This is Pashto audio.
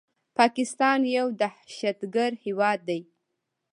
پاکستان يو دهشتګرد هيواد ده